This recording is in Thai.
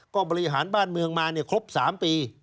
ก็บริหารบ้านเมืองมาครบ๓ปี